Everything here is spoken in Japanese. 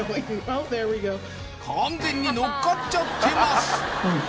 完全に乗っかっちゃってます